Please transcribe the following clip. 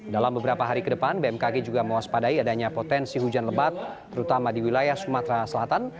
dalam beberapa hari ke depan bmkg juga mewaspadai adanya potensi hujan lebat terutama di wilayah sumatera selatan